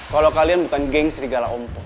kalau kalian bukan geng serigala ompong